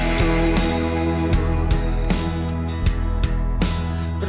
nang aku jatuh